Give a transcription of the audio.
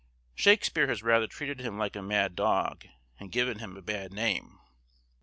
Shakespeare has rather treated him like a mad dog, and given him a bad name.